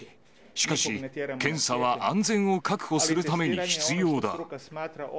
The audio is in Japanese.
しかし、検査は安全を確保するために必要だ。